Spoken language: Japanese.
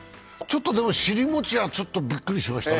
でも尻もちはちょっとびっくりしましたね。